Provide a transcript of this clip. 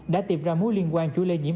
đã tìm ra mối liên quan chủ lê nhiễm